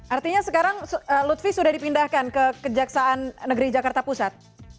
artinya sekarang lutfi sudah dipindahkan ke kejaksaan negeri jakarta pusat